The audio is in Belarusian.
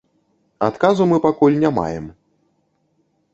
Адказу мы пакуль не маем.